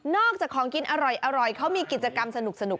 อกจากของกินอร่อยเขามีกิจกรรมสนุก